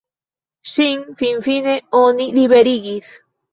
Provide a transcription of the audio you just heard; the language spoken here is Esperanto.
Ŝin finfine oni liberigis.